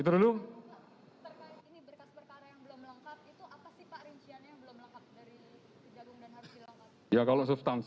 itu apa sih pak rinciannya yang belum lengkap